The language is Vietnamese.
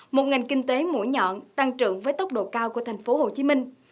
một ngành kinh tế mũi nhọn tăng trưởng với tốc độ cao của thành phố hồ chí minh